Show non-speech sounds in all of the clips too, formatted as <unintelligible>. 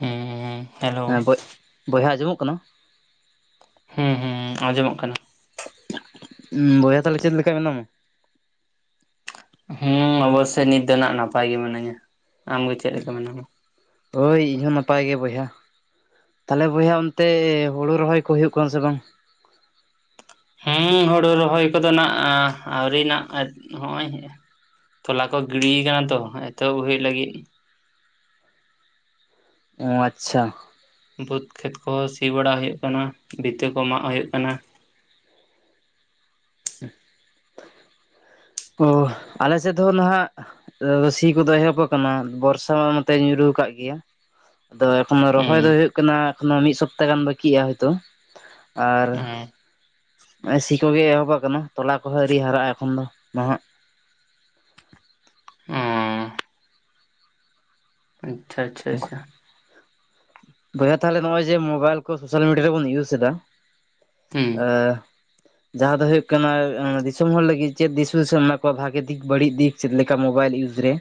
ᱦᱮᱸ ᱦᱮᱸ ᱦᱮᱞᱳ ᱵᱚᱡ ᱵᱚᱭᱦᱟ ᱟᱸᱡᱚᱢᱚᱜ ᱠᱟᱱᱟ, ᱦᱩᱸ ᱦᱩᱸ ᱦᱩᱸ ᱟᱸᱡᱚᱢᱚᱜ ᱠᱟᱱᱟ, ᱩᱸ ᱵᱚᱭᱦᱟ ᱛᱟᱦᱚᱞᱮ ᱪᱮᱫ ᱞᱮᱠᱟ ᱢᱮᱱᱟᱢᱟ? ᱦᱮᱸ ᱚᱵᱚᱥᱚᱭ ᱱᱤᱛ ᱫᱚ ᱱᱟᱜ ᱱᱟᱯᱟᱭ ᱜᱤ ᱢᱤᱱᱟᱹᱧᱟ, ᱟᱢᱜᱮ ᱪᱮᱫ ᱞᱮᱠᱟ ᱢᱮᱱᱟᱢᱟ? ᱦᱳᱭ ᱤᱧᱦᱚᱸ ᱱᱟᱯᱟᱭ ᱜᱮ ᱵᱚᱭᱦᱟ, ᱛᱟᱦᱚᱞᱮ ᱵᱚᱭᱦᱟ ᱚᱱᱛᱮ ᱦᱳᱲᱳ ᱨᱚᱦᱚᱭ ᱠᱚ ᱦᱩᱭᱩᱜ ᱠᱟᱱᱟ ᱥᱮ ᱵᱟᱝ? ᱦᱮᱸ ᱦᱩᱲᱩ ᱨᱚᱦᱚᱭ ᱠᱚᱫᱚ ᱱᱟᱜ ᱟᱹᱣᱨᱤ ᱱᱟᱜ <unintelligible> ᱦᱚᱸᱜᱼᱚᱭ, ᱛᱚᱞᱟ ᱠᱚ ᱜᱤᱰᱤᱭ ᱠᱟᱱᱟ ᱛᱚ ᱮᱛᱚᱦᱚᱵ ᱦᱩᱭᱩᱜ ᱞᱟᱹᱜᱤᱫ, ᱚᱸ ᱟᱪᱷᱟ, ᱵᱟᱹᱫᱽ ᱠᱷᱮᱛ ᱠᱚ ᱥᱤ ᱵᱟᱲᱟ ᱦᱩᱭᱩᱜ ᱠᱟᱱᱟ ᱵᱷᱤᱛᱟᱹ ᱠᱚ ᱢᱟᱜ ᱦᱩᱭᱩᱜ ᱠᱟᱱᱟ, ᱳᱦ ᱟᱞᱮ ᱥᱮᱫ ᱫᱚ ᱱᱟᱦᱟᱜ ᱟᱫᱚ ᱥᱤ ᱠᱚᱫᱚ ᱮᱦᱚᱵ ᱟᱠᱟᱱᱟ ᱵᱚᱨᱥᱟ ᱢᱟ ᱱᱚᱛᱮ ᱧᱩᱨᱩ ᱠᱟᱜ ᱜᱮᱭᱟ, ᱟᱫᱚ ᱮᱠᱷᱚᱱᱳ ᱦᱩᱸ ᱨᱚᱦᱚᱭ ᱫᱚ ᱦᱳᱭᱳᱜ ᱠᱟᱱᱟ ᱮᱠᱷᱚᱱᱳ ᱢᱤᱫ ᱥᱚᱯᱛᱟ ᱜᱟᱱ ᱵᱟᱹᱠᱤᱜᱼᱟ ᱦᱚᱭ ᱛᱳ ᱟᱨ ᱦᱮᱸ ᱱᱮᱜ ᱥᱤ ᱠᱚᱜᱮ ᱮᱦᱚᱵ ᱟᱠᱟᱱᱟ ᱛᱚᱞᱟ ᱠᱚᱦᱚᱸ ᱟ. ᱣᱨᱤ ᱦᱟᱨᱟᱜᱼᱟ ᱮᱠᱷᱚᱱ ᱫᱚ ᱱᱟᱦᱟᱜ, ᱚᱸ ᱪᱷᱟ ᱪᱷᱟ ᱪᱷᱟ, ᱵᱚᱭᱦᱟ ᱛᱟᱦᱚᱞᱮ ᱱᱚᱜ ᱚᱭ ᱡᱮ ᱢᱳᱵᱟᱭᱤᱞ ᱠᱚ ᱥᱚᱥᱟᱞ ᱢᱤᱰᱤᱭᱟ ᱨᱮᱵᱚᱱ ᱤᱭᱩᱥ ᱮᱫᱟ ᱦᱩᱸ ᱮᱦ ᱡᱟᱦᱟᱸ ᱫᱚ ᱦᱩᱭᱩᱜ ᱠᱟᱱᱟ ᱫᱤᱥᱚᱢ ᱦᱚᱲ ᱞᱟᱹᱜᱤᱫ ᱪᱮᱫ ᱫᱤᱥ ᱦᱩᱫᱤᱥ ᱮᱢ ᱮᱢᱟ ᱠᱚᱣᱟ ᱵᱷᱟᱜᱮ ᱫᱤᱠ ᱵᱟᱹᱲᱤᱡ ᱫᱤᱠ ᱪᱮᱫ ᱞᱮᱠᱟ ᱢᱚᱵᱟᱭᱤᱞ ᱤᱭᱩᱡᱽ ᱨᱮ?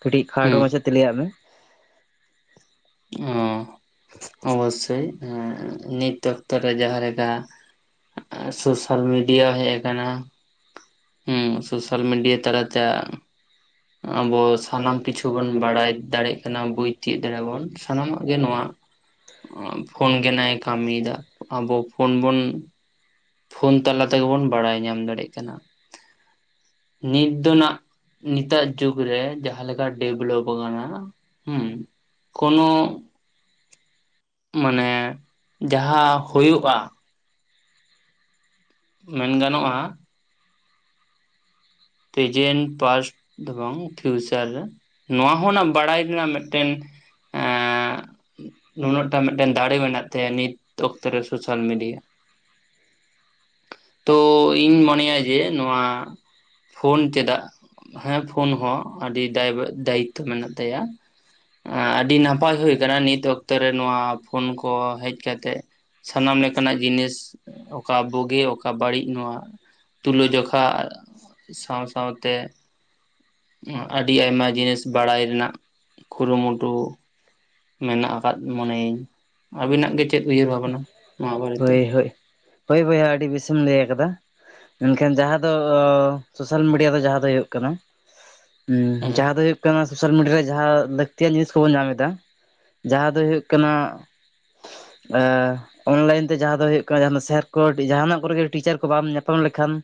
ᱠᱟᱹᱴᱤᱡ ᱠᱷᱟᱴᱚ ᱦᱩᱸ ᱢᱟᱪᱷᱟ ᱛᱮ ᱞᱟᱹᱭᱟᱜ ᱢᱮ, <inaudible> ᱚᱵᱚᱥᱚᱭ ᱱᱤᱛ ᱚᱠᱛᱚ ᱨᱮ ᱡᱟᱦᱟᱸ ᱞᱮᱠᱟ ᱥᱚᱥᱟᱞ ᱢᱤᱰᱤᱭᱟ ᱦᱮᱡ ᱟᱠᱟᱱᱟ, ᱦᱩᱸ ᱥᱚᱥᱟᱞ ᱢᱤᱰᱤᱭᱟ ᱛᱟᱞᱟ ᱛᱮ ᱟᱵᱚ ᱥᱟᱱᱟᱢ ᱠᱤᱪᱷᱩ ᱵᱩᱱ ᱵᱟᱲᱟᱭ ᱫᱟᱲᱮᱜ ᱠᱟᱱᱟ ᱵᱩᱡ ᱛᱤᱭᱚᱜ ᱫᱟᱲᱮᱭᱟ ᱵᱚᱱ, ᱥᱟᱱᱟᱢᱟᱜ ᱜᱮ ᱱᱚᱶᱟ ᱯᱷᱚᱱ ᱜᱮ ᱱᱟᱜ ᱮ ᱠᱟᱹᱢᱤ ᱭᱮᱫᱟ ᱟᱵᱚ ᱯᱷᱳᱱ ᱵᱚᱱ ᱯᱷᱚᱞᱱ ᱛᱟᱞᱟ ᱛᱮᱜᱮ ᱵᱚᱱ ᱵᱟᱲᱟᱭ ᱧᱟᱢ ᱫᱟᱲᱮᱜ ᱠᱟᱱᱟ ᱱᱤᱛ ᱫᱚ ᱱᱟᱜ ᱱᱤᱛᱟᱜ ᱡᱩᱜᱽ ᱨᱮ ᱡᱟᱦᱟᱸᱮᱠᱟ ᱰᱮᱵᱷᱞᱚᱯ ᱟᱠᱟᱱᱟ ᱦᱩᱸ ᱠᱳᱱᱳ ᱢᱟᱱᱮ ᱡᱟᱦᱟᱸ ᱦᱚᱭᱩᱜᱼᱟ, ᱢᱮᱱ ᱜᱟᱱᱚᱜᱼᱟ, ᱯᱮᱡᱮᱱᱴ ᱯᱟᱥᱴ ᱫᱚ ᱵᱟᱝ ᱯᱷᱤᱭᱩᱪᱟᱨ ᱨᱮ ᱱᱚᱶᱟ ᱦᱚᱸᱱᱟᱜ ᱵᱟᱲᱟᱭ ᱨᱮᱱᱟᱜ ᱢᱤᱫ ᱴᱮᱱ <inaudible> ᱱᱩᱱᱟᱹᱜᱴᱟ ᱢᱤᱫ ᱴᱮᱱ ᱫᱟᱲᱮ ᱢᱮᱱᱟᱜ ᱛᱟᱭᱟ ᱱᱤᱛ ᱚᱠᱛᱚ ᱨᱮ ᱥᱳᱥᱟᱞ ᱢᱤᱰᱤᱭᱟ, ᱛᱚ ᱤᱧ ᱢᱚᱱᱮᱭᱟ ᱡᱮ ᱱᱚᱶᱟ ᱯᱷᱳᱱ ᱪᱮᱫᱟᱜ? ᱦᱮᱸ ᱯᱷᱳᱱ ᱦᱚᱸ ᱟᱹᱰᱤ ᱫᱟᱭᱵᱮ ᱫᱟᱭᱤᱛᱛᱚ ᱢᱮᱱᱟᱜ ᱛᱟᱭᱟ, ᱟᱹᱰᱤ ᱱᱟᱯᱟᱭ ᱦᱩᱭ ᱟᱠᱟᱱᱟ ᱱᱤᱛ ᱚᱠᱛᱚᱨᱮ ᱱᱚᱶᱟ ᱯᱷᱳᱱ ᱠᱚ ᱦᱮᱡ ᱠᱟᱛᱮᱜ, ᱥᱟᱱᱟᱢ ᱞᱮᱠᱟᱱᱟᱜ ᱡᱤᱱᱤᱥ ᱚᱠᱟ ᱵᱩᱜᱤ ᱚᱠᱟ ᱵᱟᱹᱲᱤᱡ ᱱᱚᱶᱟ ᱛᱩᱞᱟᱹ ᱡᱚᱠᱷᱟ, ᱥᱟᱶ ᱥᱟᱶᱛᱮ ᱟᱹᱰᱤ ᱟᱭᱢᱟ ᱡᱤᱱᱤᱥ ᱵᱟᱲᱟᱭ ᱨᱮᱱᱟᱜ ᱠᱩᱨᱩ ᱢᱩᱴᱩ ᱢᱮᱱᱟᱜ ᱟᱠᱟᱫ ᱢᱚᱱᱮ ᱟᱹᱧ ᱟᱹᱵᱤᱱᱟᱜ ᱜᱮ ᱪᱮᱫ ᱩᱭᱦᱟᱹᱨ ᱵᱷᱟᱵᱽᱱᱟ? ᱦᱳᱭ ᱦᱳᱭ ᱦᱳᱭ ᱵᱚᱭᱦᱟ ᱟᱹᱰᱤ ᱵᱮᱥᱮᱢ ᱞᱟᱹᱭ ᱟᱠᱟᱫᱟ, ᱮᱱᱠᱷᱟᱱ ᱡᱟᱦᱟᱸ ᱫᱚ ᱥᱳᱥᱟᱞ ᱢᱤᱰᱤᱭᱟ ᱫᱚ ᱡᱟᱦᱟᱸ ᱫᱚ ᱦᱩᱭᱩᱜ ᱠᱟᱱᱟ ᱦᱩᱸ ᱦᱮᱸ ᱡᱟᱦᱟᱸ ᱫᱚ ᱦᱚᱭᱩᱜ ᱠᱟᱱᱟ ᱥᱚᱥᱟᱞ ᱢᱤᱰᱤᱭᱟ ᱨᱮ ᱡᱟᱦᱟᱸ ᱞᱟᱹᱠᱛᱤᱭᱟᱱ ᱡᱤᱱᱤᱥ ᱠᱚᱵᱚᱱ ᱧᱟᱢ ᱮᱫᱟ ᱡᱟᱦᱟᱸ ᱫᱚ ᱦᱩᱭᱩᱜ ᱠᱟᱱᱟ <inaudible> ᱮ ᱚᱱᱞᱟᱭᱤᱱ ᱛᱮ ᱡᱟᱦᱟᱸ ᱫᱚ ᱦᱩᱭᱩᱜ ᱠᱟᱱᱟ ᱡᱟᱦᱟᱸ ᱫᱚ ᱥᱮᱨ ᱠᱚ <unintelligible> ᱡᱟᱦᱟᱱᱟᱜ ᱠᱚᱨᱮᱜᱮ ᱴᱤᱪᱟᱹᱨ ᱠᱚ ᱵᱟᱢ ᱧᱟᱯᱟᱢ ᱞᱮᱠᱷᱟᱱ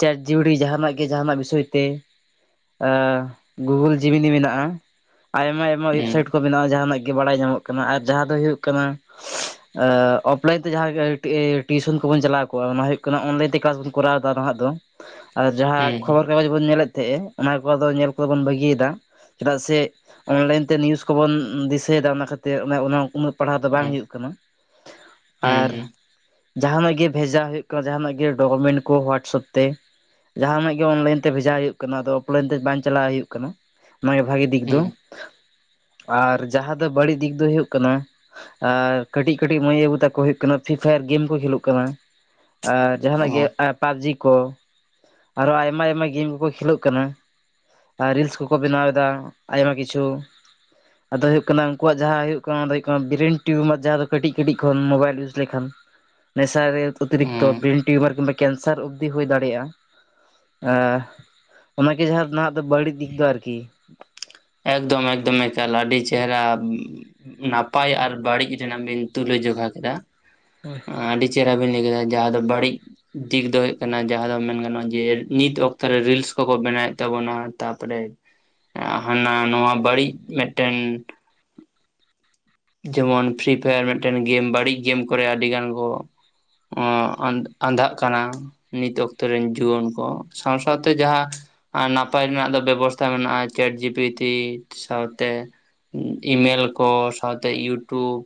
ᱪᱮᱴ ᱡᱤᱯᱤᱴᱤ ᱡᱟᱦᱟᱱᱟᱜ ᱜᱮ ᱡᱟᱦᱟᱱᱟᱜ ᱵᱤᱥᱚᱭ ᱛᱮ ᱮᱸᱜᱩᱜᱩᱞ ᱡᱤᱢᱤᱱᱤ ᱢᱮᱱᱟᱜᱼᱟ ᱟᱭᱢᱟ ᱟᱭᱢᱟ ᱦᱮᱸ ᱮᱵᱥᱟᱭᱤᱴ ᱠᱚ ᱢᱮᱱᱟᱜᱼᱟ ᱡᱟᱦᱟᱱᱟᱜ ᱜᱮ ᱵᱟᱲᱟᱭ ᱧᱟᱢᱚᱜ ᱠᱟᱱᱟ ᱟᱨ ᱡᱟᱦᱟᱸ ᱫᱚ ᱦᱩᱭᱩᱜ ᱠᱟᱱᱟ ᱚᱯᱞᱟᱭᱤᱱ ᱛᱮ ᱡᱟᱦᱟᱸ ᱴᱤᱭᱩᱥᱚᱱ ᱠᱚᱵᱚᱱ ᱪᱟᱞᱟᱣ ᱠᱚᱜᱼᱟ ᱚᱱᱟ ᱦ ᱦᱩᱭᱩᱜ ᱠᱟᱱᱟ ᱚᱱᱞᱟᱭᱤᱱ ᱛᱮ ᱠᱮᱞᱟᱥ ᱵᱚᱱ ᱠᱚᱨᱟᱣ ᱮᱫᱟ ᱱᱟᱦᱟᱜ ᱫᱚ ᱟᱨ ᱦᱩᱸ ᱡᱟᱦᱟᱸ ᱠᱷᱚᱵᱚᱨ ᱦᱩᱸ ᱠᱟᱜᱚᱡᱽ ᱵᱚᱱ ᱧᱮᱞᱮᱫ ᱛᱟᱦᱮᱼᱟ ᱚᱱᱟ ᱠᱚᱫᱚ ᱧᱮᱞ ᱠᱚᱫᱚ ᱵᱚᱱ ᱵᱟᱹᱜᱤ ᱭᱮᱫᱟ᱾ ᱪᱮᱫᱟᱜ ᱥᱮ ᱚᱱᱞᱟᱭᱤᱱ ᱛᱮ ᱱᱤᱭᱩᱡ ᱠᱚᱵᱚᱱ ᱫᱤᱥᱟᱹᱭᱮᱫᱟ ᱚᱱᱟ ᱠᱷᱟᱹᱛᱤᱨ ᱚᱱᱟ ᱚᱱᱟ ᱩᱱᱟᱹᱜ ᱯᱟᱲᱦᱟᱣ ᱫᱚ ᱵᱟᱝ ᱦᱩᱭᱩᱜ ᱠᱟᱱᱟ ᱟᱨ ᱦᱩᱸ ᱡᱟᱦᱟᱱᱟᱜ ᱜᱮ ᱵᱷᱮᱡᱟ ᱦᱩᱭᱩᱜ ᱠᱟᱱᱟ ᱡᱟᱦᱟᱱᱟᱜ ᱜᱮ ᱰᱚᱠᱳᱢᱮᱱᱴ ᱠᱚ ᱦᱳᱣᱟᱴᱥᱮᱯ ᱛᱮ ᱡᱟᱦᱟᱱᱟᱜ ᱜᱮ ᱚᱱᱞᱟᱭᱤᱱ ᱛᱮ ᱵᱷᱮᱡᱟ ᱦᱩᱭᱩᱜ ᱠᱟᱱᱟ ᱟᱫᱚ ᱚᱯᱞᱟᱭᱤᱱ ᱛᱮ ᱵᱟᱝ ᱪᱟᱞᱟᱜ ᱦᱩᱭᱩᱜ ᱠᱟᱱᱟ ᱱᱚᱣᱟ ᱜᱮ ᱵᱷᱟᱜᱤ ᱫᱤᱜᱽ ᱦᱩᱸ ᱫᱚ ᱟᱨ ᱡᱟᱦᱟᱸ ᱫᱚ ᱵᱟᱹᱲᱤᱡ ᱫᱤᱜᱽ ᱫᱚ ᱦᱩᱭᱩᱜ ᱠᱟᱱᱟ ᱟᱨ ᱠᱟᱹᱴᱤᱡ ᱠᱟᱹᱴᱤᱡ ᱢᱟᱹᱭ ᱵᱟ. ᱵᱩ ᱛᱮᱠᱚ ᱦᱩᱭᱩᱜ ᱠᱟᱱᱟ ᱯᱷᱨᱤ ᱯᱷᱟᱭᱟᱨ ᱜᱮᱢ ᱠᱚ ᱠᱷᱮᱞᱳᱜ ᱠᱟᱱᱟ ᱟᱨ ᱡᱟᱦᱟᱱᱟᱜ ᱜᱮ ᱦᱩᱸ ᱯᱟᱵᱡᱤ ᱠᱚ ᱟᱨᱚ ᱟᱭᱢᱟ ᱟᱭᱢᱟ ᱜᱮᱢ ᱠᱚᱠᱚ ᱠᱷᱮᱞᱳᱜ ᱠᱟᱱᱟ ᱟᱨ ᱨᱤᱞᱥ ᱠᱚᱠᱚ ᱵᱮᱱᱟᱣ ᱮᱫᱟ ᱟᱭᱢᱟ ᱠᱤᱪᱷᱩ ᱟᱫᱚ ᱦᱳᱭᱜ ᱠᱟᱱᱟ ᱩᱱᱠᱩᱣᱟᱜ ᱡᱟᱦᱟᱸ ᱦᱳᱭᱳᱜ ᱠᱟᱱᱟ ᱚᱱᱟ ᱫᱚ ᱦᱳᱭᱳᱜ ᱠᱟᱱᱟ ᱵᱨᱮᱱ ᱴᱤᱭᱩᱢᱟᱨ ᱡᱟᱦᱟᱸ ᱫᱚ ᱠᱟᱹᱴᱤᱡ ᱠᱟᱹᱴᱤᱡ ᱠᱷᱚᱱ ᱢᱳᱵᱟᱭᱤᱞ ᱤᱭᱩᱡᱽ ᱞᱮᱠᱷᱟᱱ ᱱᱮᱥᱟᱨ ᱚᱛᱤᱨᱤᱠᱛᱚ ᱦᱩᱸ ᱵᱨᱮᱱ ᱴᱤᱭᱩᱢᱟᱨ ᱠᱤᱵᱟ ᱠᱮᱱᱥᱟᱨ ᱚᱵᱽᱫᱤ ᱦᱩᱭ ᱫᱟᱲᱮᱭᱟᱜᱼᱟ ᱦᱮᱸ ᱚᱱᱟᱜᱮ ᱡᱟᱦᱟᱸ ᱱᱟᱦᱟᱜ ᱫᱚ ᱵᱟᱹᱲᱤᱡ ᱫᱤᱜᱽ ᱫᱚ ᱟᱨᱠᱤ ᱮᱠᱫᱚᱢ ᱮᱠᱫᱚᱢ ᱮᱠᱟᱞ ᱟᱹᱰᱤ ᱪᱮᱦᱨᱟ ᱱᱟᱯᱟᱭ ᱟᱨ ᱵᱟᱹᱲᱤᱡ ᱨᱮᱱᱟᱜ ᱵᱤᱱ ᱛᱩᱞᱟᱹ ᱡᱚᱠᱦᱟ ᱠᱮᱫᱟ ᱦᱳᱭ ᱟᱹᱰᱤ ᱪᱮᱦᱨᱟ ᱵᱤᱱ ᱞ ᱠᱮᱫ ᱡ ᱵᱟᱹᱲᱤᱡ ᱫᱤᱠ ᱫᱚ ᱦᱩᱭᱩᱜ ᱠᱟᱱᱟ ᱡᱟᱦᱟᱸ ᱫᱚ ᱢᱮᱱ ᱜᱟᱱᱚᱜᱼᱟ ᱡᱮ ᱱᱤᱛ ᱚᱠᱛᱨᱮ ᱨᱤᱞᱥ ᱠᱚᱠᱚ ᱵᱮᱱᱟᱣᱮᱫ ᱛᱟᱵᱚᱱᱟ ᱛᱟᱨᱯᱚᱨᱮ <inaudible> ᱦᱟᱱᱟ ᱱᱚᱣᱟ ᱵᱟᱹᱲᱤᱡ ᱢᱤᱫᱴᱮᱱ ᱡᱮᱢᱚᱱ ᱯᱷᱨᱤ ᱯᱷᱟᱭᱟᱨ ᱢᱤᱫᱴᱮᱱ ᱜᱮᱢ ᱵᱟᱹᱲᱤᱡ ᱜᱮᱢ ᱠᱚᱨᱮ ᱟᱹᱰᱤ ᱜᱟᱱ ᱠᱚ ᱚᱸᱻ ᱟᱱ ᱟᱸᱫᱷᱟᱜ ᱠᱟᱱᱟ᱾ ᱱᱤᱛ ᱚᱠᱛᱚ ᱨᱮᱱ ᱡᱩᱣᱟᱹᱱ ᱠᱚ ᱥᱟᱶ ᱥᱟᱶᱛᱮ ᱡᱟᱦᱟᱸ ᱟᱨ ᱱᱟᱯᱟᱭ ᱨᱮᱱᱟᱜ ᱫᱚ ᱵᱮᱵᱚᱥᱛᱷᱟ ᱢᱮᱱᱟᱜᱼᱟ ᱪᱴ ᱡᱤ ᱯᱤᱴᱤ ᱥᱟᱶᱛᱮ ᱤᱢᱮᱞ ᱠᱚ ᱥᱟᱸᱣ ᱤᱭᱩᱴᱩᱵᱽ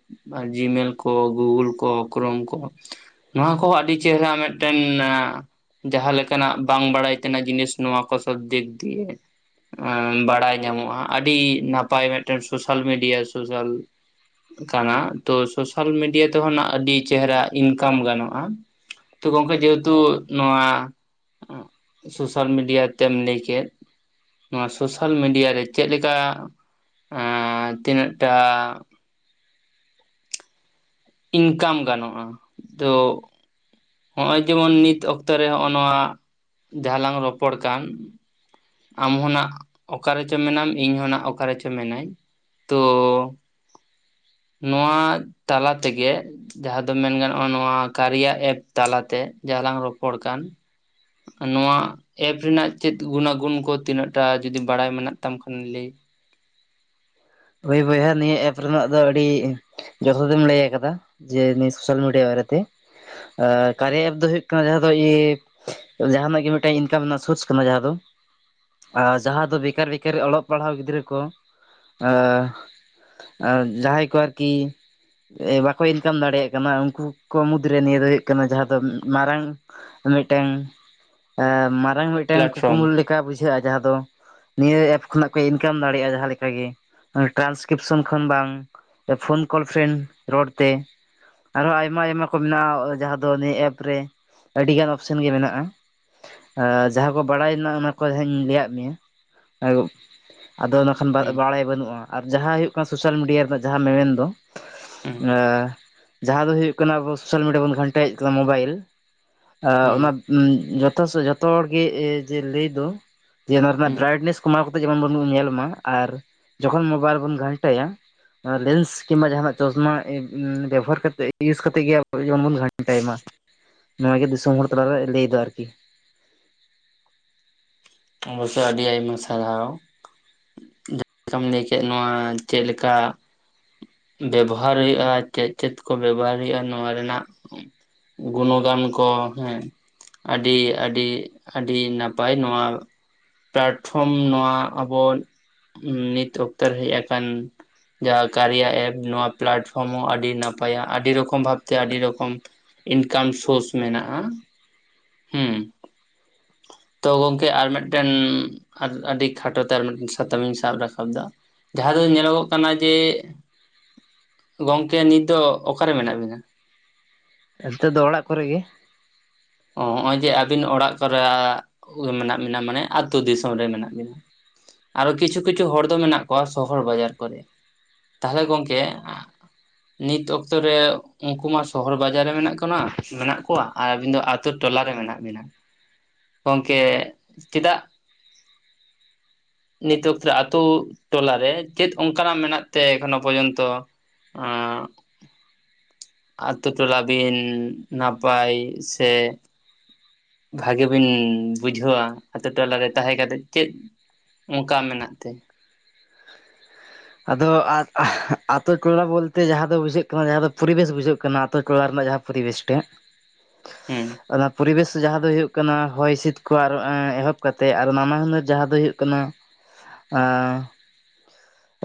ᱡᱤᱢᱮᱞ ᱠᱚ ᱜᱩᱜᱚᱞ ᱠᱚ ᱠᱨᱳᱚᱢ ᱠᱚ ᱱᱚᱣᱟ ᱠᱚᱦᱚᱸ ᱟᱹᱰᱤ ᱪᱮᱦᱨᱟ ᱢᱤᱫᱴᱮᱱ ᱡᱟᱦᱟᱸ ᱞᱮᱠᱟᱱᱟᱜ ᱵᱟᱝ ᱵᱟᱲᱟᱭ ᱛᱮᱱᱟᱜ ᱡᱤᱱᱤᱥ ᱱᱚᱣᱟ ᱠᱚ ᱥᱚᱵ ᱫᱤᱠ ᱫᱤᱭᱮ ᱵᱟᱲᱟᱭ ᱧᱟᱢᱚᱜᱼᱟ ᱟᱹᱰᱤ ᱱᱟᱯᱟᱭ ᱢᱤᱫᱴᱮᱱ ᱥᱳᱥᱟᱞ ᱢᱤᱰᱤᱭᱟ ᱥᱳᱥᱟᱞ ᱠᱟᱱᱟ ᱛᱚ ᱥᱳᱥᱟᱞ ᱢᱤᱰᱤᱭᱟ ᱛᱮᱦᱚᱱᱟᱜ ᱟᱹᱰᱤ ᱪᱮᱦᱨᱟ ᱤᱱᱠᱟᱢ ᱜᱟᱱᱚᱜᱼᱟ ᱛᱚ ᱜᱚᱝᱠᱮ ᱡᱮᱦᱮᱛᱩ ᱱᱚᱣᱟ ᱥᱳᱥᱟᱞ ᱢᱤᱰᱤᱭᱟ ᱛᱮᱢ ᱞᱟᱹᱭ ᱠᱮᱫ ᱱᱚᱣᱟ ᱥᱳᱥᱟᱞ ᱢᱤᱰᱤᱭᱟ ᱨᱮ ᱪᱮᱫ ᱞᱮᱠᱟ ᱛᱤᱱᱟᱹᱜᱴᱟ ᱤᱱᱠᱟᱢ ᱜᱟᱱᱚᱜᱼᱟ ᱛᱚ ᱦᱚᱜᱚᱭ ᱡᱮᱢᱚᱱ ᱱᱤᱛ ᱚᱠᱛᱚ ᱨᱮ ᱦᱚᱸᱜᱚᱭ ᱱᱚᱣᱟ ᱡᱟᱦᱟᱸ ᱞᱟᱝ ᱨᱚᱯᱚᱲ ᱠᱟᱱ ᱟᱢᱦᱚᱸ ᱱᱟᱜ ᱚᱠᱟᱨᱮᱪᱚ ᱢᱮᱱᱟᱢ ᱤᱧᱦᱚᱸ ᱱᱟᱜ ᱚᱠᱟᱨᱮᱪᱚ ᱢᱮᱱᱟᱹᱧ ᱛᱚ ᱱᱚᱣᱟ ᱛᱟᱞᱟ ᱛᱮᱜᱮ ᱡᱟᱦᱟᱸ ᱫᱚ ᱢᱮᱱ ᱜᱟᱱᱚᱜᱼᱟ ᱱᱚᱣᱟ ᱠᱟᱨᱤᱭᱟ ᱮᱯ ᱛᱟᱞᱟᱛᱮ ᱡᱟᱦᱟᱸ ᱞᱟᱝ ᱨᱚᱯᱚᱲ ᱠᱟᱱ ᱱᱚᱣᱟ ᱮᱯ ᱨᱮᱱᱟᱜ ᱪᱮᱫ ᱜᱩᱱᱟ ᱜᱩᱱ ᱠᱚ ᱛᱤᱱᱟᱹᱜ ᱴᱟ ᱡᱩᱫᱤ ᱵᱟᱲᱟᱭ ᱢᱮᱱᱟᱜ ᱛᱟᱢ ᱠᱷᱟᱱ ᱞᱟᱹᱭ ᱦᱳᱭ ᱵᱚᱭᱦᱟ ᱱᱤᱭᱟᱹ ᱮᱯ ᱨᱮᱱᱟᱜ ᱫᱚ ᱟᱹᱰᱤ ᱡᱚᱛᱦᱟᱛ ᱜᱮᱢ ᱞᱟᱹᱭ ᱟᱠᱟᱫᱟ ᱡᱮ ᱱᱤᱭᱟᱹ ᱥᱳᱥᱟᱞ ᱢᱤᱰᱤᱭᱟ ᱵᱟᱨᱮᱛᱮ ᱮᱻ ᱠᱟᱨᱭᱟ ᱮᱯ ᱫᱚ ᱦᱩᱭᱩᱜ ᱠᱟᱱᱟ ᱡᱟᱦᱟᱸ ᱫᱚ ᱡᱟᱦᱱᱟᱜ ᱜᱮ ᱢᱤᱫᱴᱮᱱ ᱤᱱᱠᱟᱢ ᱨᱮᱱᱟᱜ ᱥᱳᱨᱥ ᱠᱟᱱᱟ ᱡᱟᱦᱟᱸ ᱫᱚ ᱟᱨ ᱡᱟᱦᱟᱸ ᱫᱚ ᱵᱮᱠᱟᱨ ᱵᱮᱠᱟᱨ ᱚᱞᱚᱜ ᱯᱟᱲᱦᱟᱣ ᱜᱤᱫᱽᱨᱟᱹ ᱠᱚ ᱟ ᱟᱨ ᱡᱟᱦᱟᱸᱭ ᱠᱚ ᱟᱨᱠᱤ ᱵᱟᱠᱚ ᱤᱱᱠᱟᱢ ᱫᱟᱲᱮᱭᱟᱜ ᱠᱟᱱᱟ ᱩᱱᱠᱩ ᱠᱚ ᱢᱩᱫᱽᱨᱮ ᱱᱤᱭᱟᱹ ᱫᱚ ᱦᱩᱭᱩᱜ ᱠᱟᱱᱟ ᱡᱟᱦᱟᱸ ᱫᱚ ᱢᱟᱨᱟᱝ ᱢᱤᱫᱴᱮᱱ ᱢᱟᱨᱟᱝ ᱢᱤᱫᱴᱟᱝ ᱢᱤᱫᱴᱟᱝ ᱯᱞᱟᱴᱯᱷᱨᱚᱢ ᱠᱩᱠᱢᱩ ᱞᱮᱠᱟ ᱵᱩᱡᱷᱟᱹᱜᱼᱟ ᱡᱟᱦᱟᱸ ᱫᱚ ᱱᱤᱭᱟᱹ ᱮᱯ ᱠᱷᱚᱱᱟᱜ ᱠᱚ ᱤᱱᱠᱟᱢ ᱫᱟᱲᱮᱭᱟᱜᱼᱟ ᱡᱟᱦᱟᱸ ᱞᱮᱠᱟ ᱜᱮ ᱴᱨᱟᱱᱥᱠᱨᱤᱯᱥᱚᱱ ᱠᱷᱚᱱ ᱵᱟᱝ ᱯᱷᱳᱱ ᱠᱚᱞ ᱯᱷᱨᱮᱱᱰ ᱨᱚᱲ ᱛᱮ ᱟᱨᱦᱚᱸ ᱟᱭᱢᱟ ᱟᱭᱢᱟ ᱠᱚ ᱢᱮᱱᱟᱜᱼᱟ ᱡᱟᱦᱟᱸ ᱫᱚ ᱱᱤᱭᱟᱹ ᱮᱯ ᱨᱮ ᱟᱹᱰᱤ ᱜᱟᱱ ᱚᱯᱥᱮᱱ ᱜᱮ ᱢᱮᱱᱟᱜᱼᱟ ᱡᱟᱦᱟᱸ ᱠᱚ ᱵᱟᱲᱟᱭ ᱨᱮᱱᱟ ᱚᱱᱟ ᱠᱚ ᱦᱟᱸᱜ ᱤᱧ ᱞᱟᱹᱭᱟᱫ ᱢᱮᱭᱟ ᱟᱫᱚ ᱠᱷᱟᱱ ᱦᱩᱸ ᱵᱟᱲᱟᱭ ᱵᱟᱹᱱᱩᱜᱼᱟ ᱟᱨ ᱡᱟᱦᱟᱸ ᱦᱩᱭᱩᱜ ᱠᱟᱱᱟ ᱥᱳᱥᱟᱞ ᱢᱤᱰᱤᱭᱟ ᱨᱮᱱᱟᱜ ᱡᱟᱦᱟᱸ ᱢᱮᱱᱫᱚ ᱦᱩᱸ ᱡᱟᱦᱟᱸ ᱫᱚ ᱦᱩᱭᱩᱜ ᱠᱟᱱᱟ ᱟᱵᱚ ᱥᱳᱥᱟᱞ ᱢᱤᱰᱤᱭᱟ ᱵᱚᱱ ᱜᱷᱟᱱᱴᱟᱭᱮᱫ ᱠᱟᱱᱟ ᱢᱳᱵᱟᱭᱤᱞ ᱦᱩᱸ ᱚᱱᱟ ᱡᱚᱛᱚ ᱡᱚᱛᱚ ᱦᱚᱲ ᱜᱮ ᱡᱮ ᱞᱟᱹᱭ ᱫᱚ ᱡᱮ ᱱᱚᱣᱟ ᱨᱮᱱᱟᱜ ᱦᱩᱸ ᱵᱨᱟᱭᱴᱱᱮᱥ ᱠᱚᱢᱟᱣ ᱠᱟᱛᱮ ᱡᱮᱢᱚᱱ ᱵᱚᱱ ᱧᱮᱞ ᱢᱟ ᱟᱨ ᱡᱚᱠᱷᱚᱱ ᱢᱳᱵᱟ. ᱭᱤᱞ ᱵᱚᱱ ᱜᱷᱟᱱᱴᱟᱭᱟ ᱞᱮᱱᱥ ᱠᱤᱢᱵᱟ ᱡᱟᱦᱟᱱᱟᱜ ᱪᱚᱥᱢᱟ ᱵᱮᱵᱚᱦᱟᱨ ᱠᱟᱛᱮ ᱤᱭᱩᱡᱽ ᱠᱟᱛᱮᱫ ᱜᱮ ᱟᱵᱚ ᱡᱮᱢᱚᱱ ᱵᱚᱱ ᱜᱷᱟᱱᱴᱟᱭ ᱢᱟ ᱱᱚᱣᱟ ᱜᱮ ᱫᱤᱥᱚᱢ ᱦᱚᱲ ᱛᱟᱞᱟᱨᱮ ᱞᱟᱹᱭᱮᱫᱟ ᱟᱨᱠᱤ ᱚᱵᱚᱥᱳᱭ ᱟᱹᱰᱤ ᱟᱭᱢᱟ ᱥᱟᱨᱦᱟᱣ ᱡᱟᱦᱟᱸ ᱞᱮᱠᱟᱢ ᱞᱟᱹᱭ ᱠᱮᱫ ᱱᱚᱣᱟ ᱪᱮᱫ ᱞᱮᱠᱟ ᱵᱮᱵᱚᱦᱟᱨ ᱦᱩᱭᱩᱜᱼᱟ ᱪᱮᱫ ᱪᱮᱫ ᱠᱚ ᱵᱮᱵᱚᱦᱟᱨ ᱦᱩᱭᱩᱜᱼᱟ ᱱᱚᱣᱟ ᱨᱮᱱᱟᱜ ᱜᱩᱱ ᱜᱟᱱ ᱠᱚ ᱦᱮᱸ ᱟᱹᱰᱤ ᱟᱹᱰᱤ ᱟᱹᱰᱤ ᱱᱟᱯᱟᱭ ᱱᱚᱣᱟ ᱯᱞᱟᱴᱯᱷᱚᱨᱚᱢ ᱱᱚᱣᱟ ᱟᱵᱚ ᱱᱤᱛ ᱚᱠᱛᱚᱨ ᱦᱮᱡ ᱟᱠᱟᱱ ᱡᱟᱦᱟ ᱠᱟᱨᱭᱟ ᱮᱯ ᱱᱚᱣᱟ ᱯᱞᱟᱴᱯᱷᱚᱨᱚᱢ ᱦᱚᱸ ᱟᱹᱰᱤ ᱱᱟᱯᱟᱭᱟ ᱟᱹᱰᱤ ᱨᱚᱠᱚᱢ ᱵᱷᱟᱵᱛᱮ ᱟᱹᱰᱤ ᱨᱚᱠᱚᱢ ᱤᱱᱠᱟᱢ ᱥᱳᱨᱥ ᱢᱮᱱᱟᱜᱼᱟ ᱦᱩᱸ <inaudible> ᱛᱚ ᱜᱚᱢᱠᱮ ᱟᱨ ᱢᱤᱫᱴᱮᱱ ᱟᱨ ᱟᱹᱰᱤ ᱠᱷᱟᱴᱚᱛ ᱟᱨ ᱢᱤᱫᱴᱮᱱ ᱥᱟᱛᱟᱢ ᱤᱧ ᱥᱟᱵ ᱨᱟᱠᱟᱵ ᱮᱫᱟ ᱡᱟᱦᱟᱸ ᱫᱚ ᱧᱮᱞᱚᱜᱚᱜ ᱠᱟᱱᱟ ᱡᱮ <unintelligible> ᱜᱚᱝᱠᱮ ᱱᱤᱛ ᱫᱚ ᱚᱠᱟᱨᱮ ᱢᱮᱱᱟᱜ ᱵᱤᱱᱟ ᱱᱮᱛᱚᱜ ᱫᱚ ᱚᱲᱟᱜ ᱠᱚᱨᱮᱜ ᱜᱮ ᱚ ᱦᱚᱜᱼᱚᱭ ᱡᱮ ᱟᱹᱵᱤᱱ ᱚᱲᱟᱜ ᱠᱚᱨᱮ ᱢᱮᱱᱟᱜ ᱵᱤᱱᱟ ᱢᱟᱱᱮ ᱟᱹᱛᱩᱳ ᱫᱤᱥᱚᱢ ᱨᱮ ᱢᱮᱱᱟᱜ ᱵᱤᱱᱟ ᱟᱨᱚ ᱠᱤᱪᱷᱩ ᱠᱤᱪᱷᱩ ᱦᱚᱲ ᱫᱚ ᱢᱮᱱᱟᱜ ᱠᱚᱣᱟ ᱥᱚᱦᱚᱨ ᱵᱟᱡᱟᱨ ᱠᱚᱨᱮ ᱛᱟᱦᱚᱞᱮ ᱜᱚᱝᱠᱮ ᱱᱤᱛ ᱚᱠᱛᱚ ᱨᱮ ᱩᱱᱠᱩ ᱢᱟ ᱥᱚᱦᱚᱨ ᱵᱟᱡᱟᱨ ᱨᱮ ᱢᱮᱱᱟᱜ ᱠᱚᱱᱟ ᱢᱮᱱᱟᱜ ᱠᱚᱣᱟ ᱟᱨ ᱟᱹᱵᱤᱱ ᱫᱚ ᱛᱳ ᱴᱚᱞᱟ ᱨᱮ ᱢᱮᱱᱟᱜ ᱵᱤᱱᱟ ᱜᱚᱢᱝᱠᱮ ᱪᱮᱫᱟᱜ <inaudible> ᱱᱤᱛᱳ ᱟᱠᱛᱮ ᱨᱮ ᱟᱹᱛᱩ ᱴᱞᱟᱨᱮ ᱪᱮᱫ ᱚᱱᱠᱟᱱᱟᱜ ᱢᱮᱱᱟᱜ ᱛᱮ ᱠᱷᱚᱱᱳ ᱯᱚᱨᱡᱚᱱᱛᱚ? ᱟᱨ <inaudible> ᱟᱛᱳ ᱴᱚᱞᱟ ᱵᱤᱱ ᱱᱟᱯᱟᱭ ᱥᱮ ᱵᱷᱟᱜᱤ ᱵᱤᱱ ᱵᱩᱡᱷᱟᱹᱣᱟ ᱟᱛᱳ ᱴᱚᱞᱟᱨᱮ ᱛᱟᱦᱮᱸ ᱠᱟᱛᱮᱫ ᱪᱮᱫ ᱚᱱᱠᱟ ᱢᱮᱱᱟᱜ ᱛᱮ ᱟᱫᱚ ᱟᱛᱳ ᱴᱚᱞᱟ ᱵᱚᱞᱛᱮ ᱡᱟᱦᱟᱸ ᱫᱚ ᱵᱩᱡᱷᱟᱹᱜ ᱠᱟᱱᱟ ᱡᱟᱦᱟᱸ ᱫᱚ ᱯᱚᱨᱤᱵᱮᱥ ᱵᱩᱡᱷᱟᱹᱜ ᱠᱟᱱᱟ ᱟᱛᱳ ᱴᱚᱞᱟ ᱨᱮᱱᱟᱜ ᱡᱟᱦᱟᱸ ᱯᱚᱨᱤᱵᱮᱥ ᱴᱟ ᱦᱮᱸ <unintelligible> ᱚᱱᱟ ᱯᱚᱨᱤᱵᱮᱥ ᱡᱟᱦᱟᱸ ᱫᱚ ᱦᱩᱭᱩᱜ ᱠᱟᱱᱟ ᱦᱚᱭ ᱦᱤᱸᱥᱤᱫ ᱠᱚ ᱟᱨ ᱮᱦᱚᱵ ᱠᱟᱛᱮᱜ ᱟᱨ ᱱᱟᱱᱟ ᱦᱩᱱᱟᱹᱨ ᱡᱟᱦᱟᱸ ᱫᱚ ᱦᱩᱭᱩᱜᱜ ᱠᱟᱱᱟ ᱟ <inaudible>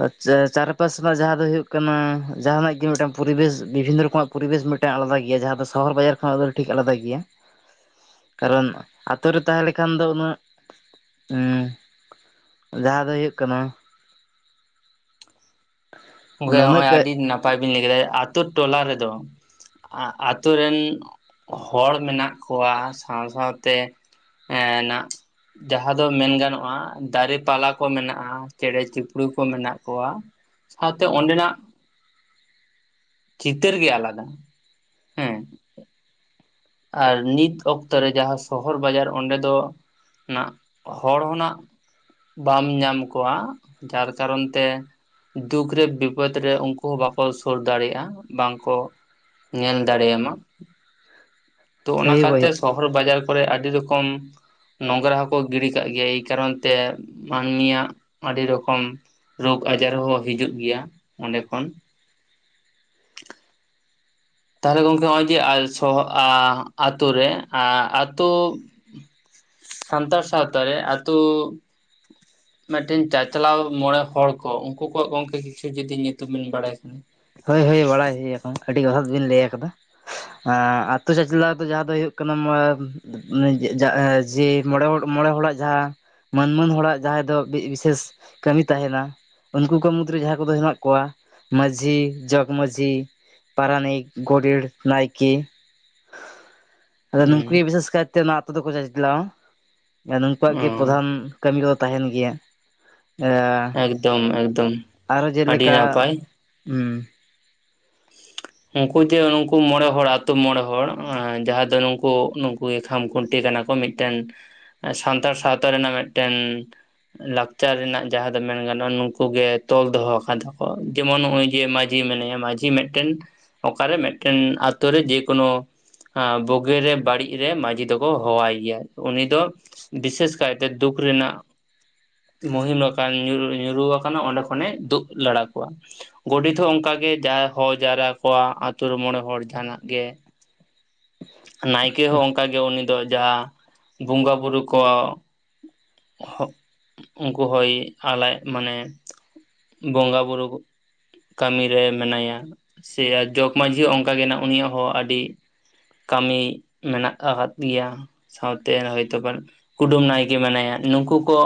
ᱟᱪᱪ ᱪᱟᱨᱯᱟᱥ ᱨᱮᱱᱟᱜ ᱡᱟᱦᱟᱸ ᱫᱚ ᱦᱩᱭᱩᱜ ᱠᱟᱱᱟ ᱡᱟᱦᱟᱱᱟᱜ ᱜᱮ ᱢᱤᱫᱴᱟᱝ ᱯᱚᱨᱤᱵᱮᱥ ᱵᱤᱵᱷᱤᱱᱱᱚ ᱨᱚᱠᱚᱢᱟᱜ ᱯᱚᱨᱤᱵᱮᱥ ᱢᱤᱫᱴᱟᱝ ᱟᱞᱟᱫᱟ ᱜᱮᱭᱟ ᱡᱟᱦᱟᱸ ᱫᱚ ᱥᱚᱦᱚᱨ ᱵᱟᱡᱟᱨ ᱠᱷᱚᱱᱟᱜ ᱫᱚ ᱴᱷᱤᱠ ᱟᱞᱟᱫᱟ ᱜᱮᱭᱟ ᱠᱟᱨᱚᱱ ᱟᱛᱳ ᱨᱮ ᱛᱟᱦᱮᱸ ᱞᱮᱠᱷᱟᱱ ᱫᱚ ᱩᱱᱟᱹᱜ <inaudible> ᱡᱟᱦᱟᱸ ᱫᱚ ᱦᱩᱭᱩᱜ ᱠᱟᱱᱟ ᱵᱚᱭᱦᱟ ᱱᱚᱜᱭ ᱩᱱᱟᱹᱜ ᱟᱹᱰᱤ ᱱᱟᱯᱟᱭ ᱵᱤᱱ ᱞᱟᱹᱭ ᱠᱮᱫᱟ ᱟᱛᱳ ᱴᱚᱞᱟ ᱨᱮ ᱫᱚ ᱟᱛᱳ ᱨᱮᱱ ᱦᱚᱲ ᱢᱮᱱᱟᱜ ᱠᱚᱣᱟ ᱥᱟᱶ ᱥᱟᱶᱛᱮ ᱦ ᱱᱟ <inaudible> ᱡᱟᱦᱟᱸ ᱫᱚ ᱢᱮᱱ ᱜᱟᱱᱚᱜᱼᱟ ᱫᱟᱨᱮ ᱯᱟᱞᱟ ᱠᱚ ᱢᱮᱱᱟᱜᱼᱟ ᱪᱮᱬᱮ ᱪᱤᱯᱲᱩ ᱠᱚ ᱢᱮᱱᱟᱜ ᱠᱚᱣᱟᱹ ᱥᱟᱶᱛᱮ ᱚᱸᱰᱮᱱᱟᱜ ᱪᱤᱛᱟᱹᱨ ᱜᱮ ᱟᱞᱟᱫᱟ ᱦᱮᱸ ᱟᱨ ᱱᱤᱛ ᱚᱠᱛᱚ ᱨᱮ ᱡᱟᱦᱟᱸ ᱥᱚᱦᱚᱨ ᱵᱟᱡᱟᱨ ᱚᱸᱰᱮ ᱫᱚ ᱚᱱᱟ ᱦᱚᱲ ᱦᱚ ᱨᱮᱱᱟᱜ ᱵᱟᱢ ᱧᱟᱢ ᱠᱚᱣᱟ ᱡᱟᱨ ᱠᱟᱨᱚᱱ ᱛᱮ ᱫᱩᱠ ᱨᱮ ᱵᱤᱯᱚᱫᱽ ᱨᱮ ᱩᱱᱠᱩ ᱦᱚᱸ ᱵᱟᱠᱚ ᱥᱩᱨ ᱫᱟᱲᱮᱭᱟᱜᱼᱟ ᱵᱟᱝᱠᱚ ᱧᱮᱞ ᱫᱟᱲᱮᱭᱟᱢᱟ ᱛᱚ ᱚᱱᱟ ᱦᱳᱭ ᱦᱳᱭ ᱠᱟᱛᱮ ᱥᱚᱦᱚᱨ ᱵᱟᱡᱟᱨ ᱠᱚᱨᱮ ᱟᱹᱰᱤ ᱨᱚᱠᱚᱢ ᱱᱚᱝᱨᱟ ᱦᱚᱸᱠᱚ ᱜᱤᱰᱤ ᱠᱟᱜ ᱜᱮᱭᱟ ᱮᱭ ᱠᱟᱨᱚᱱ ᱛᱮ ᱢᱟᱹᱱᱢᱤᱭᱟᱜ ᱟᱹᱰᱤ ᱨᱚᱠᱚᱢ ᱨᱳᱜᱽ ᱟᱡᱟᱨ ᱦᱚᱸ ᱦᱤᱡᱩᱜ ᱜᱮᱭᱟ ᱚᱸᱰᱮ ᱠᱷᱚᱱ ᱛᱟᱦᱚᱞᱮ ᱜᱚᱝᱠᱮ ᱱᱚᱜᱼᱚᱭ ᱡᱮ <inaudible> ᱟᱻ ᱟᱛᱳ ᱨᱮ ᱟᱻ ᱟᱛᱳ ᱥᱟᱱᱛᱟᱲ ᱥᱟᱶᱛᱟ ᱨᱮ ᱟᱹᱛᱩ <inaudible> ᱢᱤᱫᱴᱮᱱ ᱪᱟᱪᱞᱟᱣ ᱢᱚᱬᱮ ᱦᱚᱲ ᱠᱚ ᱩᱱᱠᱩ ᱠᱚᱣᱟᱜ ᱜᱚᱝᱠᱮ ᱠᱤᱪᱷᱩ ᱡᱩᱫᱤ ᱧᱩᱛᱩᱢᱤᱧ ᱵᱟᱲᱟᱭ ᱠᱷᱟᱱ ᱦᱳᱭ ᱦᱳᱭ ᱵᱟᱲᱟᱭ ᱦᱩᱭ ᱟᱠᱟᱱᱟ ᱟᱹᱰᱤ <inaudible> ᱵᱤᱱ ᱞᱟᱹᱭ ᱟᱠᱟᱫᱟ᱾ ᱟᱛᱳ ᱪᱟᱪᱞᱟᱣ ᱫᱚ ᱡᱟᱦᱟᱸ ᱫᱚ ᱦᱩᱭᱩᱜ ᱠᱟᱱᱟ <inaudible> ᱡᱮ ᱢᱚᱬᱮ ᱦᱚᱲ ᱢᱚᱬᱮ ᱦᱚᱲᱟᱜ ᱡᱟᱦᱟᱸ ᱢᱟᱹᱱ ᱢᱟᱹᱱ ᱦᱚᱲᱟᱜ ᱡᱟᱦᱟᱸᱭ ᱫᱚ ᱵᱤᱥᱮᱥ ᱠᱟᱹᱢᱤ ᱛᱟᱦᱮᱱᱟ ᱩᱱᱠᱩ ᱠᱚ ᱢᱩᱫᱽᱨᱮ ᱡᱟᱦᱟᱭ ᱠᱚᱫᱚ ᱦᱮᱱᱟᱜ ᱠᱚᱣᱟ ᱢᱟᱹᱡᱷᱤ ᱡᱚᱜᱽ ᱢᱟᱸᱹᱡᱷᱤ, ᱯᱟᱨᱟᱱᱤᱠ, ᱜᱚᱰᱮᱲ, ᱱᱟᱭᱠᱮ, ᱟᱫᱚ ᱦᱩᱸ ᱱᱩᱠᱩ ᱜᱮ ᱵᱤᱥᱮᱥ ᱠᱟᱭᱛᱮ ᱚᱱᱟ ᱟᱛᱳ ᱫᱚᱠᱚ ᱡᱟᱪᱞᱟᱣᱟ ᱱᱩᱝᱠᱩᱣᱟᱜ ᱜᱮ ᱚ ᱯᱨᱚᱫᱷᱟᱱ ᱠᱟᱹᱢᱤ ᱠᱚ ᱛᱟᱦᱮᱱ ᱜᱮᱭᱟ ᱮᱻ ᱮᱠᱫᱚᱢ ᱮᱠᱫᱚᱢ ᱟᱹᱰᱤ ᱱᱟᱯᱟᱭ᱾ ᱦᱮᱸ <inaudible> ᱩᱱᱠᱩ ᱡᱮ ᱱᱩᱠᱩ ᱢᱚᱬᱮ ᱦᱚᱲ ᱟᱛᱳ ᱢᱚᱬᱮ ᱦᱚᱲ ᱡᱟᱦᱟᱸᱭ ᱫᱚ ᱱᱩᱝᱠᱩ ᱱᱩᱝᱠᱩ ᱜᱮ ᱠᱷᱟᱢ ᱠᱷᱩᱱᱴᱤ ᱠᱟᱱᱟ ᱠᱚ ᱢᱤᱫ ᱴᱮᱱ ᱥᱟᱱᱛᱟᱲ ᱥᱟᱶᱛᱟ ᱨᱮᱱᱟᱜ ᱢᱤᱫᱴᱮᱱ ᱞᱟᱠᱪᱟᱨ ᱨᱮᱱᱟᱜ ᱡᱟᱦᱟᱸ ᱫᱚ ᱢᱮᱱ ᱜᱟᱱᱚᱜᱼᱟ, ᱱᱩᱝᱠᱩ ᱜᱮ ᱛᱚᱞ ᱫᱚᱦᱚ ᱠᱟᱫᱟ ᱠᱚ ᱡᱮᱢᱚᱱ ᱱᱚᱜᱼᱚᱭ ᱡᱮ ᱢᱟᱸᱡ ᱡᱷᱤ ᱢᱮᱱᱟᱭᱟ ᱢᱟᱹᱡᱷᱤ ᱢᱤᱫᱽᱴᱮᱱ ᱚᱠᱟᱨᱮ ᱢᱤᱫᱽᱴᱮᱱ ᱟᱹᱛᱩ ᱡᱮᱠᱳᱱᱳ ᱵᱩᱜᱤ ᱨᱮ ᱵᱟᱹᱲᱤᱡ ᱨᱮ ᱢᱟᱺᱡᱷᱤ ᱫᱚᱠᱚ ᱦᱚᱦᱚᱣᱟᱭ ᱜᱮᱭᱟ ᱩᱱᱤ ᱫᱚ ᱵᱤᱥᱮᱥ ᱠᱟᱭᱛᱮ ᱫᱩᱠ ᱨᱮᱱᱟᱜ ᱢᱩᱦᱤᱢ ᱟᱠᱟᱱ ᱧᱩ ᱧᱩᱨᱩ ᱟᱠᱟᱱᱟ ᱚᱸᱰᱮ ᱠᱷᱚᱱᱮ ᱫᱩᱜ ᱞᱟᱲᱟ ᱠᱚᱣᱟ᱾ ᱜᱚᱰᱮᱛ ᱦᱚᱸ ᱚᱱᱠᱟ ᱜᱮ ᱡᱟ ᱦᱚ ᱡᱟᱣᱨᱟ ᱠᱚᱣᱟ ᱟᱛᱳ ᱨᱮ ᱢᱚᱬᱮ ᱦᱚᱲ ᱡᱟᱦᱟᱱᱟᱜ ᱜᱮ ᱱᱟᱭᱠᱮ ᱦᱚᱸ ᱚᱱᱠᱟᱜ ᱜᱮ ᱩᱱᱤ ᱫᱚ ᱡᱟ ᱵᱚᱸᱜᱟ ᱵᱩᱨᱩ ᱠᱚ, ᱦᱚᱜ ᱩᱱᱠᱩ ᱦᱚᱭ ᱟᱞᱟᱡ ᱢᱟᱱᱮ ᱵᱚᱸᱜᱟ ᱵᱩᱨᱩ ᱠᱚ ᱠᱟᱹᱢᱤ ᱨᱮ ᱢᱮᱱᱟᱭᱟ ᱥᱮ ᱡᱚᱜᱽ ᱢᱟᱺᱡᱷᱤ ᱦᱚᱸ ᱚᱱᱠᱟ ᱜᱮ ᱱᱟᱜ ᱩᱱᱤᱭᱟᱜ ᱦᱚᱸ ᱟᱹᱰᱤ ᱠᱟᱹᱢᱤ ᱢᱮᱱᱟᱜ ᱟᱠᱟᱫ ᱜᱮᱭᱟ ᱥᱟᱶᱛᱮ ᱦᱚᱭᱛᱚ <inaudible> ᱠᱩᱰᱟᱹᱢ ᱱᱟᱭᱠᱮ ᱢᱮᱱᱟᱭᱟ, ᱱᱩᱠᱩ ᱠᱚ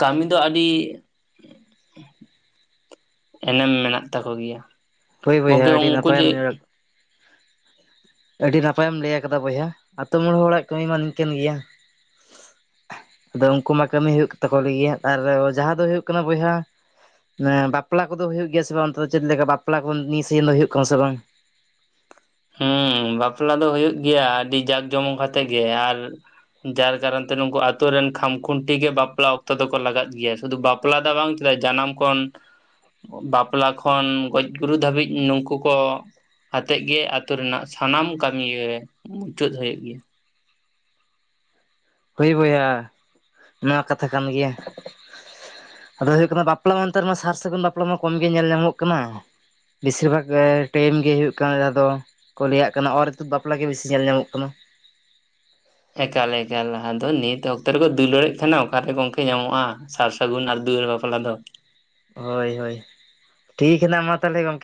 ᱠᱟᱢᱤ ᱫᱚ ᱟᱹᱰᱤ ᱮᱱᱮᱢ ᱢᱮᱱᱟᱜ ᱛᱟᱠᱚ ᱜᱮᱭᱟ᱾ ᱦᱳᱭ ᱵᱳᱦ ᱜᱚᱝᱠᱮ ᱟᱹᱰᱤ ᱩᱱᱠᱩ ᱱᱟᱯᱟᱭᱮᱢ ᱡᱮ ᱧᱮᱞ ᱟᱹᱰᱤ ᱱᱟᱯᱟᱭᱮᱢ ᱞᱟᱹᱭ ᱟᱠᱟᱫᱟ ᱵᱚᱭᱦᱟ ᱟᱛᱳ ᱢᱚᱬ ᱦᱚᱲᱟᱜ ᱠᱟᱹᱢᱤ ᱢᱟ ᱱᱤᱝᱠᱟᱹᱱ ᱜᱮᱭᱟ ᱟᱫᱚ ᱩᱱᱠᱩ ᱢᱟ ᱠᱟᱹᱢᱤ ᱦᱩᱭᱩᱜ ᱛᱟᱠᱚ <inaudible> ᱟᱨ ᱡᱟᱦᱟᱸ ᱫᱚ ᱦᱩᱭᱩᱜ ᱠᱟᱱᱟ ᱵᱚᱭᱦᱟ ᱵᱟᱯᱞᱟ ᱠᱚᱫᱚ ᱦᱩᱭᱩᱜ ᱜᱮᱭᱟ ᱥᱮ ᱵᱟᱝ ᱚᱱᱛᱮ ᱫᱚ ᱪᱮᱫ ᱞᱮᱠᱟ ᱵᱟᱯᱞᱟ ᱠᱚ ᱱᱤᱭᱟᱹ ᱥᱤᱥᱟᱹᱱ ᱫᱚ ᱦᱩᱭᱩᱜ ᱠᱟᱱᱟ ᱥᱮ ᱵᱟᱝ ᱦᱮᱸ ᱵᱟᱯᱞᱟ ᱫᱚ ᱦᱩᱭᱩᱜ ᱜᱮᱭᱟ ᱟᱹᱰᱤ ᱡᱟᱠ ᱡᱚᱢᱚᱠ ᱠᱟᱛᱮᱫ ᱜᱮ ᱟᱨ ᱡᱟᱨ ᱠᱟᱨᱚᱱ ᱛᱮ ᱱᱩᱠᱩ ᱟᱹᱛᱩ ᱨᱮᱱ ᱠᱷᱟᱡ ᱠᱷᱩᱱᱴᱤ ᱜᱮ ᱵᱟᱯᱞᱟ ᱚᱠᱛᱚ ᱫᱚᱠᱚ ᱞᱟᱜᱟᱜ ᱜᱮᱭᱟ ᱥᱩᱫᱷᱩ ᱵᱟᱯᱞᱟ, ᱯᱞᱟ ᱫᱚ ᱵᱟᱝ ᱪᱮᱫ ᱡᱟᱱᱟᱢ ᱠᱚᱱ ᱵᱟᱯᱞᱟ ᱠᱷᱚᱱ ᱜᱚᱡᱽ ᱜᱩᱨᱩ ᱫᱷᱟᱹᱵᱤᱡ ᱱᱩᱠᱩ ᱠᱚ ᱟᱛᱮᱜ ᱜᱮ ᱟᱹᱛᱩ ᱨᱮᱱᱟᱜ ᱥᱟᱱᱟᱢ ᱠᱟᱹᱢᱤᱭ ᱨᱮ ᱢᱩᱪᱟᱹᱫ ᱦᱩᱭᱩᱜ ᱜᱮᱭᱟ᱾ ᱦᱳᱭ ᱵᱚᱭᱦᱟ ᱱᱚᱣᱟ ᱠᱟᱛᱷᱟ ᱠᱟᱱ ᱜᱮᱭᱟ ᱟᱫᱚ ᱦᱳᱭᱳᱜ ᱠᱟᱱᱟ ᱵᱟᱯᱞᱟ ᱢᱟ ᱱᱮᱛᱟᱨ ᱢᱟ ᱥᱟᱨ ᱥᱟᱹᱜᱩᱱ ᱵᱟᱯᱞᱟ ᱢᱟ ᱠᱚᱢᱜᱮ ᱧᱮᱞ ᱧᱟᱢᱚᱜ ᱠᱟᱱᱟ ᱵᱮᱥᱤᱨ ᱵᱷᱟᱜᱽ ᱴᱟᱭᱤᱢ ᱜᱮ ᱦᱩᱭᱩᱜ ᱠᱟᱱ ᱟᱫᱚ᱾ ᱠᱚ ᱞᱤᱭᱼᱟᱜ ᱠᱟᱱᱟ ᱚᱨ ᱤᱛᱩᱫ ᱵᱟᱯᱞᱟ ᱜᱮ ᱵᱮᱥᱤ ᱧᱮᱞ ᱧᱟᱢᱚᱜ ᱠᱟᱱᱟ ᱮᱠᱟᱞ ᱮᱠᱟᱞ ᱞᱟᱦᱟ ᱫᱚ ᱱᱤᱛ ᱚᱠᱛᱚ ᱨᱮᱠᱚ ᱫᱩᱞᱟᱹᱲᱮᱜ ᱠᱟᱱᱟ ᱚᱠᱟᱨᱮ ᱜᱚᱝᱠᱮ ᱧᱟᱢᱚᱜᱼᱟ ᱥᱟᱨ ᱥᱟᱹᱜᱩᱱ ᱟᱨ ᱫᱩᱣᱟᱹᱨ ᱵᱟᱯᱞᱟ ᱫᱚ ᱦᱳᱭ ᱦᱳᱭ ᱴᱷᱤᱠ ᱦᱮᱱᱟᱜ ᱢᱟ ᱛᱟᱦᱚᱞᱮ ᱜᱚᱢᱠᱮ